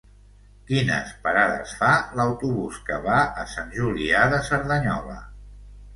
Quines parades fa l'autobús que va a Sant Julià de Cerdanyola?